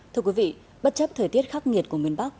thưa quý vị bất chấp thời tiết khắc nghiệt của miền bắc